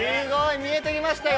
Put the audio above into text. ◆見えてきましたよ。